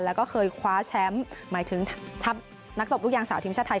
แล้วก็เคยคว้าแชมป์หมายถึงทัพนักตบลูกยางสาวทีมชาติไทย